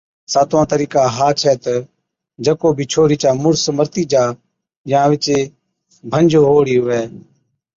ساتوان طريقا ھا ڇَي تہ جي ڪو ڇوھِرِي چا مُڙس مرتِي جا يان وِچِي ڀنج ھُووڙِي ھُوو،